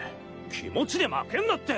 気持ちで負けんなって！